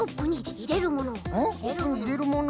いれるもの